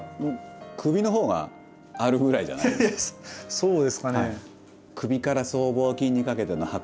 そうですかね。